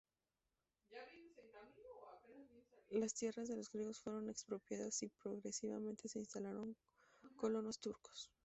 Las tierras de los griegos fueron expropiadas y progresivamente se instalaron colonos turcos.